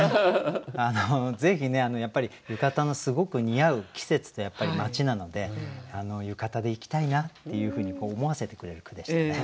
ぜひねやっぱり浴衣のすごく似合う季節とやっぱり街なので浴衣で行きたいなっていうふうに思わせてくれる句でしたね。